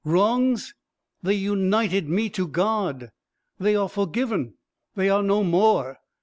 "Wrongs! they united me to God! they are forgiven, they are no more.